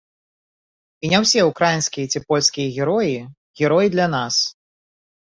І не ўсе ўкраінскія ці польскія героі, героі для нас.